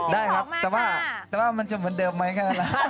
ได้ครับแต่ว่ามันจะเหมือนเดิมมั้ยคะ